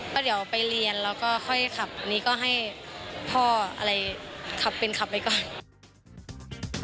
ก็เดี๋ยวไปเรียนแล้วก็ค่อยขับนี้ก็ให้พ่ออะไรขับเป็นขับไปก่อน